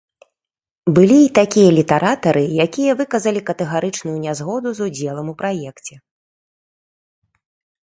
Былі і такія літаратары, якія выказалі катэгарычную нязгоду з удзелам у праекце.